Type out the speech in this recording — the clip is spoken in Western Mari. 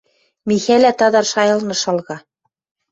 Михӓлӓ тадар шайылны шалга.